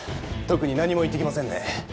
特に何も言ってきませんね